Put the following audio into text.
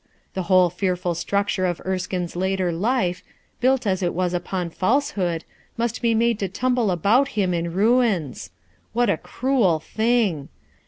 The whole fearful structure of Erskine's later life, built as it was upon false hood, must be made to tumble about him in ruins. What a cruel tiling!